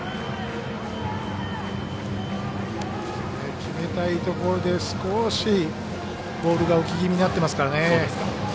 決めたいところで、少しボールが浮き気味になっていますからね。